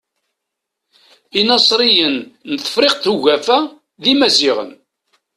Inaṣliyen n tefṛiqt ugafa d Imaziɣen.